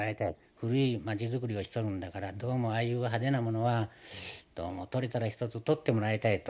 古い町づくりをしとるんだからどうもああいう派手なものはどうも取れたらひとつ取ってもらいたいと。